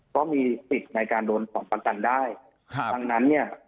ก็มีสิทธิ์ในการโดนของประกันได้ครับดังนั้นเนี่ย